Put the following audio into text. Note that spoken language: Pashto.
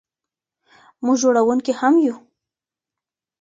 موږ جوړونکي هم یو.